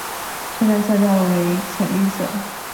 车站色调为浅绿色。